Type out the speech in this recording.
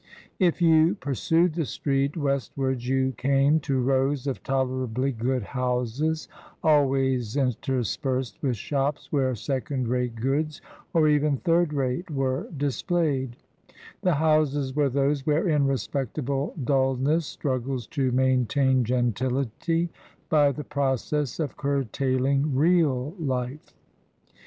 If you pursued the street westwards you came to rows of tolerably good houses, always interspersed with shops where second rate goods, or even third rate, were dis played ; the houses were those wherein respectable dul ness struggles to maintain gentility by the process of curtailing real life.